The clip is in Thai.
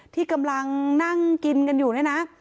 ที่กำลังนั่งกินกันอยู่เนี่ยนะ